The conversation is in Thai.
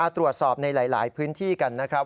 ตรวจสอบในหลายพื้นที่กันนะครับ